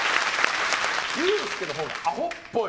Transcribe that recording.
ユースケのほうがアホっぽい。